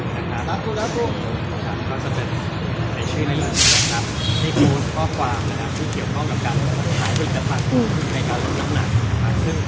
เพราะเราทั้งสองคนไม่มีส่วนความรู้